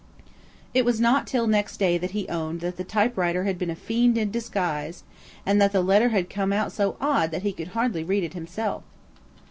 It was not till next day that he owned that the typewriter had been a fiend in disguise, and that the letter had come out so odd that he could hardly read it himself.